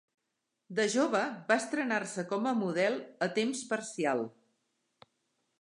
De jove, va estrenar-se com a model a temps parcial.